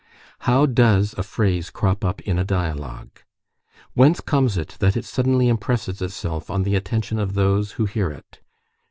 How does a phrase crop up in a dialogue? Whence comes it that it suddenly impresses itself on the attention of those who hear it?